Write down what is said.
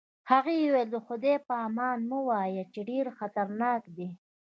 هغې وویل: د خدای په امان مه وایه، چې ډېر خطرناک دی.